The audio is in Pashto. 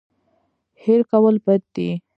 هېر کول بد دی.